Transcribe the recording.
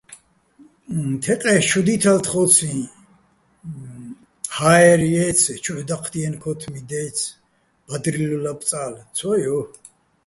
თეყე́ს: ჩუ დითალ თხოციჼ, ჰაერ ჲაჲცი̆, ჩუჰ̦ დაჴდიენო̆ ქო́თმი დაჲცი̆, ბადრილო ლაბწალ, - ცო, ჲო!